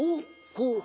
こう。